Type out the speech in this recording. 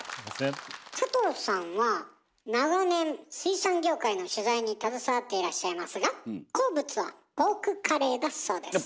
佐藤さんは長年水産業界の取材に携わっていらっしゃいますが好物はポークカレーだそうです。